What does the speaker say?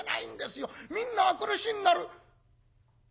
みんな明くる日になる」。